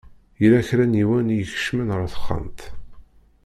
Yella kra n yiwen i ikecmen ar texxamt.